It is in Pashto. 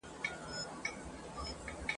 هغه کډه له کوڅې نه باروله ..